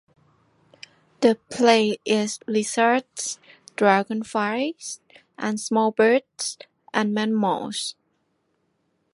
The prey is lizards, dragonflies, and small birds and mammals.